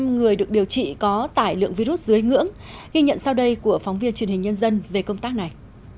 năm người được điều trị có tải lượng virus dưới ngưỡng ghi nhận sau đây của phóng viên truyền hình nhân dân về công tác này